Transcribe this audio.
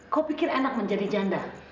kau pikir enak menjadi janda